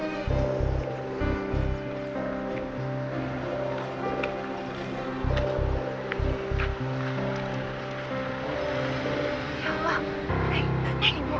ibu ajaknya kan bu